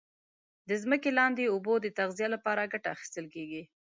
د ځمکې لاندي اوبو د تغذیه لپاره کټه اخیستل کیږي.